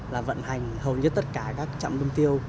là vận hành hầu nhất tất cả các trạm đông tiêu